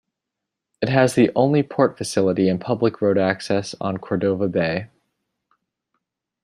It has the only port facility and public road access on Cordova Bay.